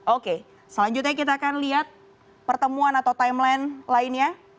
oke selanjutnya kita akan lihat pertemuan atau timeline lainnya